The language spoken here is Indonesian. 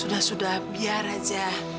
sudah sudah biar aja